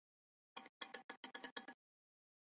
有儿子伏暅。